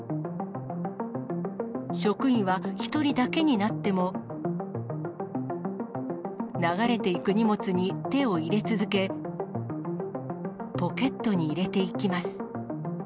職員は１人だけになっても、流れていく荷物に手を入れ続け、ポケットに入れていきます。